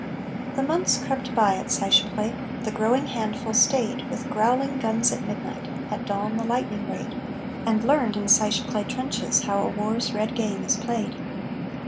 The months crept by at Seicheprey The growing handful stayed, With growling guns at midnight, At dawn, the lightning raid, And learned, in Seicheprey trenches, How war's red game is played.